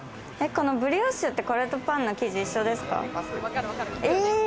このブリオッシュって、これとパンの生地、同じですか？